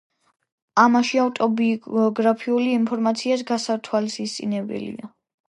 ამაში ავტობიოგრაფიული ინფორმაციაც გასათვალისწინებელია.